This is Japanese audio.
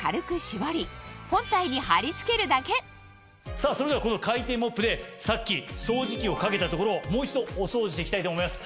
さぁそれではこの回転モップでさっき掃除機をかけた所をもう一度お掃除していきたいと思います。